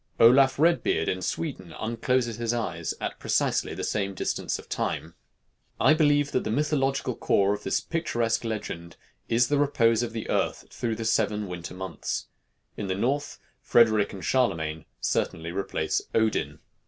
Olaf Redbeard in Sweden uncloses his eyes at precisely the same distances of time. I believe that the mythological core of this picturesque legend is the repose of the earth through the seven winter months. In the North, Frederic and Charlemagne certainly replace Odin.